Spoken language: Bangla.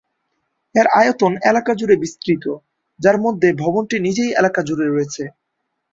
এর আয়তন এলাকা জুড়ে বিস্তৃত, যার মধ্যে ভবনটি নিজেই এলাকা জুড়ে রয়েছে।